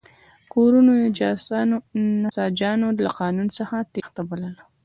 کورنیو نساجانو له قانون څخه تېښته بلله.